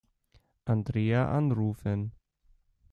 Andrea anrufen.